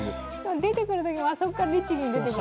出てくるときも、あそこから律儀に出てくる。